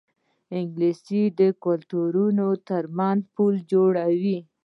انګلیسي د کلتورونو ترمنځ پل جوړوي